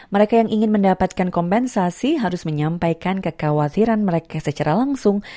mereka yang ingin mendapatkan kompensasi harus menyampaikan kekhawatiran mereka secara langsung